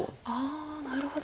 ああなるほど。